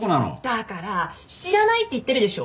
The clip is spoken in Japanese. だから知らないって言ってるでしょ！？